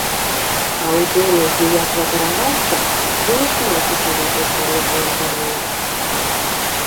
А ў доме, дзе я кватараваўся, было шмат усялякай старой галантарэі.